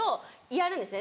やるんですね